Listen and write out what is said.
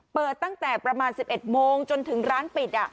เปิดตั้งแต่ประมาณ๑๑โมงจนถึงร้านปิด